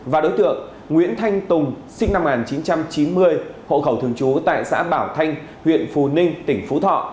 và đối tượng nguyễn thanh tùng sinh năm một nghìn chín trăm chín mươi hộ khẩu thường trú tại xã bảo thanh huyện phù ninh tỉnh phú thọ